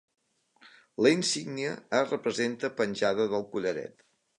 La insígnia es representa penjada del collaret.